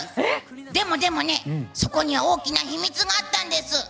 でもでも、そこには大きな秘密があったんです。